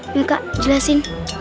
yuk kak jelasin